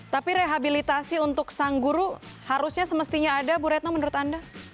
tapi rehabilitasi untuk sang guru harusnya semestinya ada